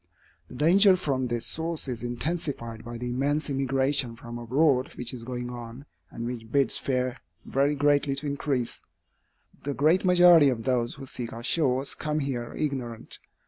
The danger from this source is intensified by the immense immigration from abroad which is going on, and which bids fair very greatly to increase. The great majority of those who seek our shores, come here ignorant.